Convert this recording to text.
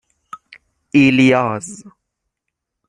ایلیاز